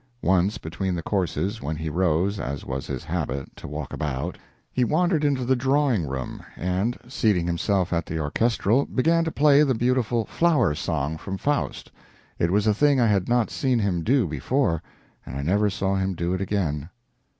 Once between the courses, when he rose, as was his habit, to walk about, he wandered into the drawing room, and, seating himself at the orchestrelle, began to play the beautiful "Flower Song" from Faust. It was a thing I had not seen him do before, and I never saw him do it again.